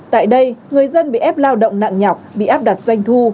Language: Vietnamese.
tại đây người dân bị ép lao động nặng nhọc bị áp đặt doanh thu